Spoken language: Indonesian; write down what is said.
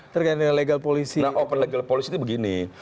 terkait legal policy nah open legal policy itu begini